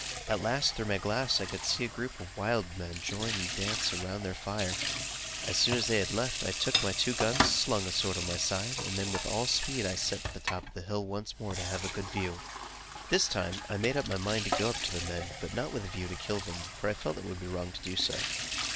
At last, through my glass, I could see a group of wild men join in a dance round their fire. As soon a they had left, I took two guns, and slung a sword on my side; then with all speed, I set off to the top of the hill, once more to have a good view. This time I made up my mind to go up to the men, but not with a view to kill them, for I felt that it would be wrong to do so.